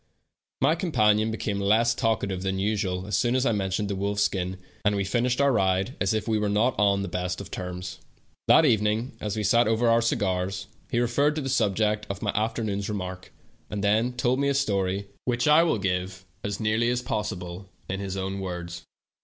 My companion became less talkative than usual as soon as I mentioned the wolf skin, and we finished our ride as if we were not on the best of terms. That evening, as we sat over our cigars, he referred to the subject of my afternoon's remark, and then told me a story, which I will give, as nearly as possible, in his own words.